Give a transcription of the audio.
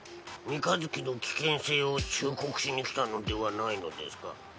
三日月の危険性を忠告しに来たのではないのですか？